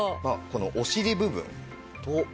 このお尻部分と。